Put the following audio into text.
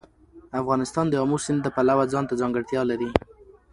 افغانستان د آمو سیند د پلوه ځانته ځانګړتیا لري.